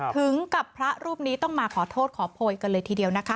ถึงกับพระรูปนี้ต้องมาขอโทษขอโพยกันเลยทีเดียวนะคะ